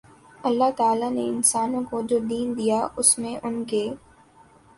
اللہ تعالی نے انسانوں کو جو دین دیا اس میں ان کے